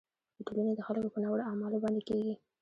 د ټولنې د خلکو په ناوړه اعمالو باندې کیږي.